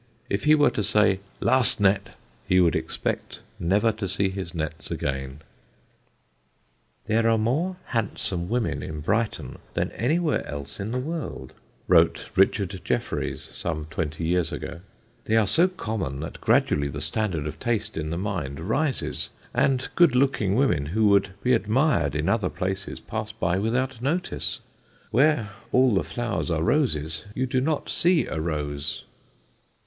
If he were to say, "Last net," he would expect never to see his nets again. [Sidenote: BRIGHTON'S FAIR DAUGHTERS] "There are more handsome women in Brighton than anywhere else in the world," wrote Richard Jefferies some twenty years ago. "They are so common that gradually the standard of taste in the mind rises, and good looking women who would be admired in other places pass by without notice. Where all the flowers are roses you do not see a rose."